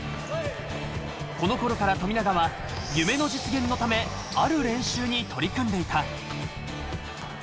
この頃から富永は夢の実現のためある練習に取り組んでいた。